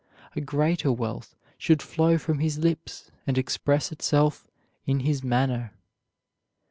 A greater wealth should flow from his lips, and express itself in his manner.